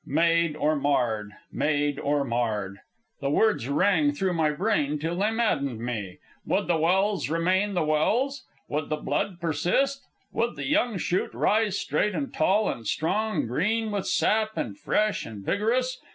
Made or marred; made or marred, the words rang through my brain till they maddened me. Would the Welse remain the Welse? Would the blood persist? Would the young shoot rise straight and tall and strong, green with sap and fresh and vigorous?